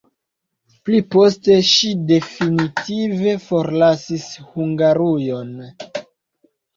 Pli poste ŝi definitive forlasis Hungarujon.